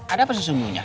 ada apa sesungguhnya